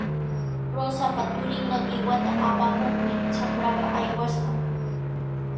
Rosapa turinqa qiwata apamuqmi trakrapa aywashqa.